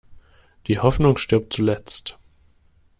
Die Hoffnung stirbt zuletzt.